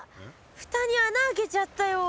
蓋に穴開けちゃったよ。